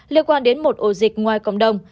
liên quan đến một ổ dịch ngoài cộng đồng